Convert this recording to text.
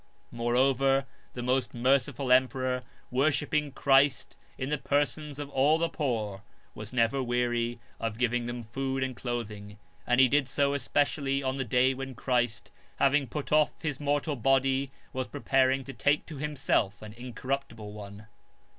Moreover the most merciful emperor, worshipping Christ in the persons of all the poor, was never weary of giving them food and clothing : and he did so especially on the day when Christ, having put off His mortal body, was preparing to take to Himself an incorruptible one.